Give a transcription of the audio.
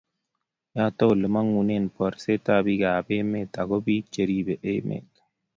yoto ole mangunee borsetab biikap emet ago biik cheribe emet